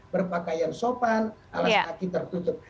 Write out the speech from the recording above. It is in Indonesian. berpakaian sopan alas kaki tertutup